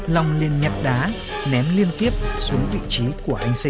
lòng liền nhặt đá ném liên tiếp xuống vị trí của anh sinh